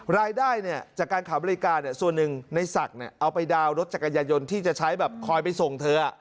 รายได้เนี่ยจากการขายบริการส่วนหนึ่งในศักดิ์เอาไปดาวนรถจักรยานยนต์ที่จะใช้แบบคอยไปส่งเธอ